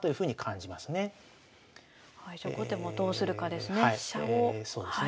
じゃあ後手もどうするかですね。